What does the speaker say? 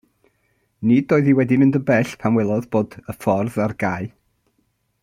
Nid oedd hi wedi mynd yn bell pan welodd bod y ffordd ar gau.